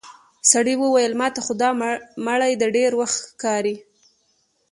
سړي وويل: ماته خو دا مړی د ډېر وخت ښکاري.